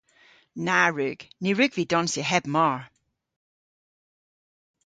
Na wrug. Ny wrug vy donsya heb mar!